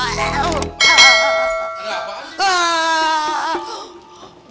ada apaan sih